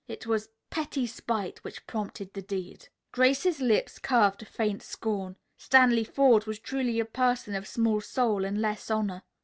It was petty spite which prompted the deed." Grace's lips curved in faint scorn. Stanley Forde was truly a person of small soul and less honor.